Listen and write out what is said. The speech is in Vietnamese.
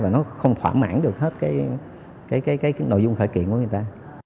và nó không thỏa mãn được hết cái nội dung khởi kiện của người ta